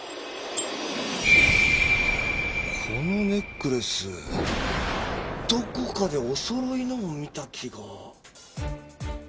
このネックレスどこかでおそろいのを見た気が。